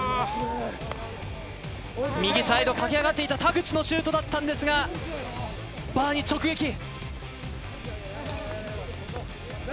右サイド、かけ上がっていた田口のシュートだったんですが、バーに直撃。